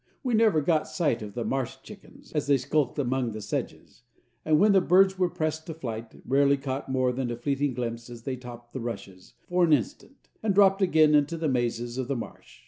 We never got sight of the "ma'sh chickens" as they skulked among the sedges; and when the birds were pressed to flight, rarely caught more than a fleeting glimpse as they topped the rushes for an instant, and dropped again into the mazes of the marsh.